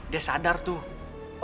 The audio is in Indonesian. dia sadar tuh